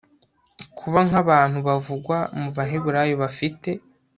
kuba nk abantu bavugwa mu Baheburayo bafite